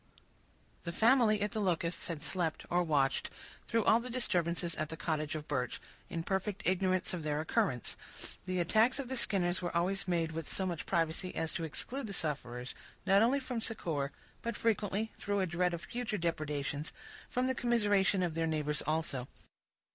The family at the Locusts had slept, or watched, through all the disturbances at the cottage of Birch, in perfect ignorance of their occurrence. The attacks of the Skinners were always made with so much privacy as to exclude the sufferers, not only from succor, but frequently, through a dread of future depredations, from the commiseration of their neighbors also.